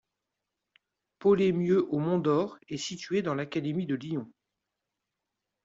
Poleymieux-au-Mont-d'Or est située dans l'académie de Lyon.